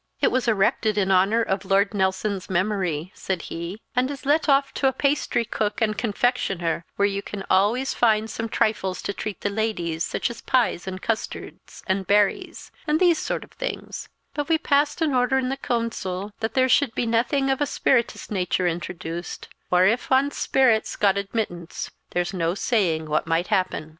"It was erected in honour of Lord Neilson's memory," said he, "and is let aff to a pastrycook and confectioner, where you can always find some trifles to treat the ladies, such as pies and custards, and berries, and these sort of things; but we passed an order in the cooncil that there should be naething of a spirituous nature introduced; for if ance spirits got admittance there's no saying what might happen."